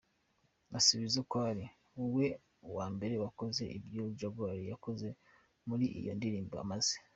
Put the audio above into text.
asubiza koari we wa mbere wakoze ibyo Jaguar yakoze muri iyo ndirimbo maze.